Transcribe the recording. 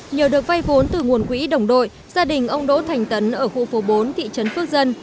nhờ được vay vốn từ nguồn quỹ đồng đội gia đình ông đỗ thành tấn ở khu phố bốn thị trấn phước dân